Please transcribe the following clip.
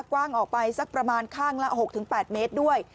กว้างออกไปสักประมาณข้างละ๖๘เมตรด้วย